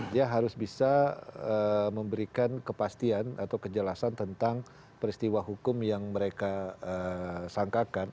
dia harus bisa memberikan kepastian atau kejelasan tentang peristiwa hukum yang mereka sangkakan